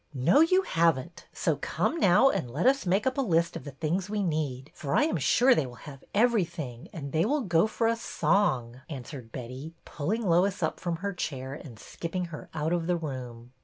No, you have n't, so come now and let us make up a list of the things we need, for I am sure they will have everything and they will go for a song," answered Betty, pulling Lois up from her chair and skipping her out of the room.